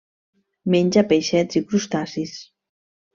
Menja peixets i crustacis.